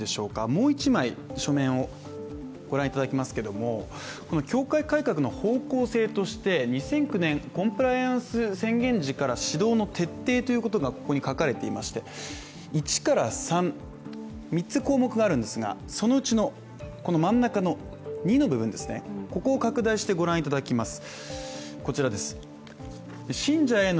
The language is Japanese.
もう一枚、書面をご覧いただきますけども教会改革の方向性として２００９年、コンプライアンス宣言時から指導の徹底ということがここに書かれていまして、①から③、３つ項目があるんですがそのうちの真ん中の②の部分を拡大してご覧いただきます。